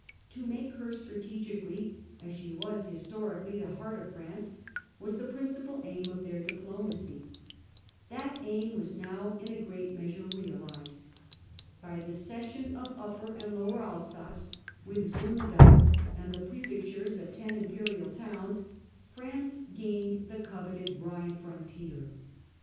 To French make her strategically, as she was historically, Ui^eSfern 1 ^ ie ^ eart °f France, was the principal aim frontier of their diplomacy. That aim was now in secure . a g rcat me asure realised. By the cession of Upper and Lower Alsace, with Sundgau and the pre fectures of ten imperial towns, France gained the coveted Rhine frontier.